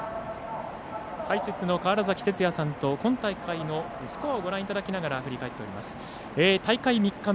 解説の川原崎哲也さんと今大会のスコアをご覧いただきながら振り返っております。